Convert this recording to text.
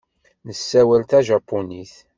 Nessawal tajapunit.